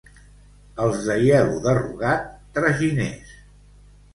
Els d'Aielo de Rugat, traginers.